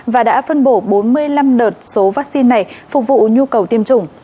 và đã phân bổ bốn mươi năm đợt số vaccine này phục vụ nhu cầu tiêm chủng